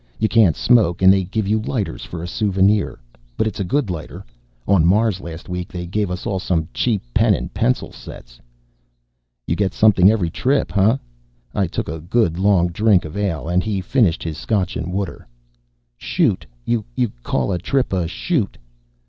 "You can't smoke and they give you lighters for a souvenir. But it's a good lighter. On Mars last week, they gave us all some cheap pen and pencil sets." "You get something every trip, hah?" I took a good, long drink of ale and he finished his scotch and water. "Shoot. You call a trip a 'shoot'."